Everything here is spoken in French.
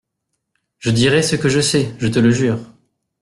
Je dirai ce que je sais ; je te le jure.